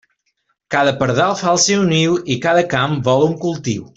Cada pardal fa el seu niu i cada camp vol un cultiu.